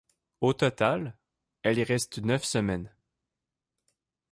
Au total, elle y reste neuf semaines.